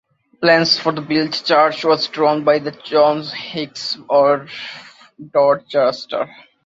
Plans for the rebuilt church were drawn up by John Hicks of Dorchester.